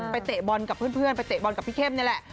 เตะบอลกับเพื่อนไปเตะบอลกับพี่เข้มนี่แหละ